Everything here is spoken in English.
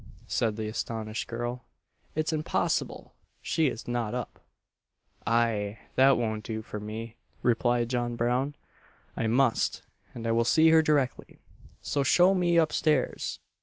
said the astonished girl; "it's impossible she is not up." "Aye, that won't do for me," replied John Brown, "I must, and I will see her directly so show me up stairs!"